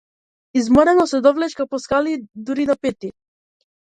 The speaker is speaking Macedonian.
Изморено се довлечка по скали дури на петти.